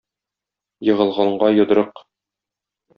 Егылганга йодрык.